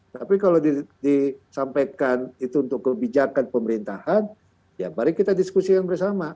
tapi kalau disampaikan itu untuk kebijakan pemerintahan ya mari kita diskusikan bersama